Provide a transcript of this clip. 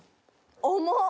甘っ！